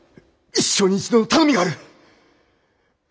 一生に一度の頼みがある！